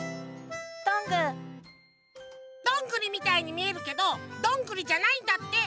どんぐりみたいにみえるけどどんぐりじゃないんだって。